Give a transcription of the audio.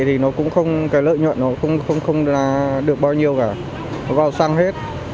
thì lợi nhuận nó cũng không được bao nhiêu cả vào xăng hết